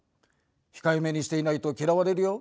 「控えめにしていないと嫌われるよ」と。